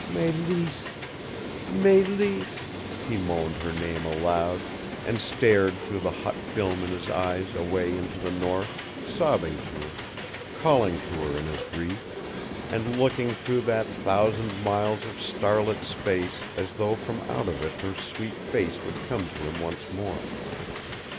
"Mélisse Mélisse " He moaned her name aloud, and stared through the hot film in his eyes away into the north, sobbing to her, calling to her in his grief, and looking through that thousand miles of starlit space as though from out of it her sweet face would come to him once more.